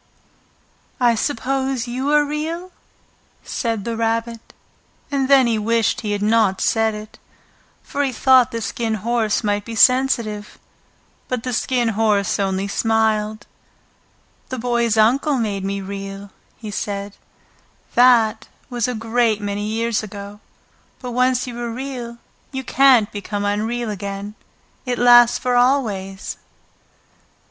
"I suppose you are real?" said the Rabbit. And then he wished he had not said it, for he thought the Skin Horse might be sensitive. But the Skin Horse only smiled. The Skin Horse Tells His Story "The Boy's Uncle made me Real," he said. "That was a great many years ago; but once you are Real you can't become unreal again. It lasts for always."